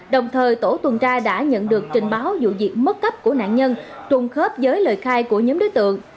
đồng thời tổ tuần tra đã nhận được trình báo vụ việc mất cấp của nạn nhân trùng khớp với lời khai của nhóm đối tượng